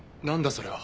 それは。